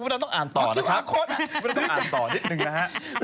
คุณผู้ชมต้องอ่านต่อนะครับคุณผู้ชมต้องอ่านต่อนิดหนึ่งนะฮะ